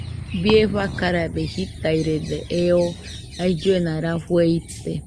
Bie fakarabe jitairede eo ailluena rafue ite.